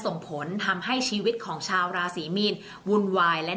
ส่งผลทำให้ดวงชะตาของชาวราศีมีนดีแบบสุดเลยนะคะ